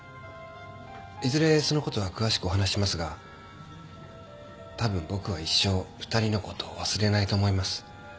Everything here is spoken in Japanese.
いずれその事は詳しくお話ししますが多分僕は一生２人の事を忘れないと思います。